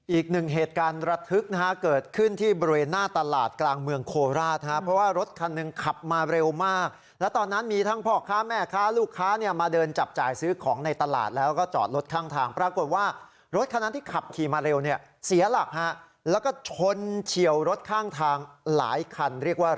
อีกหนึ่งเหตุการณ์ระทึกนะฮะเกิดขึ้นที่บริเวณหน้าตลาดกลางเมืองโคราชฮะเพราะว่ารถคันหนึ่งขับมาเร็วมากแล้วตอนนั้นมีทั้งพ่อค้าแม่ค้าลูกค้าเนี่ยมาเดินจับจ่ายซื้อของในตลาดแล้วก็จอดรถข้างทางปรากฏว่ารถคันนั้นที่ขับขี่มาเร็วเนี่ยเสียหลักฮะแล้วก็ชนเฉียวรถข้างทางหลายคันเรียกว่า